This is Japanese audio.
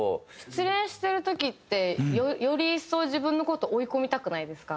失恋してる時ってより一層自分の事を追い込みたくないですか？